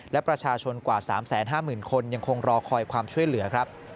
และประชาชนกว่า๓๕๐๐๐คนยังคงรอคอยความช่วยเหลือครับ